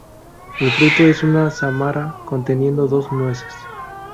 El fruto es una sámara conteniendo dos nueces.